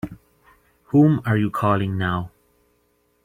Whom are you calling now?